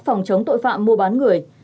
phòng chống tội phạm ngu bán người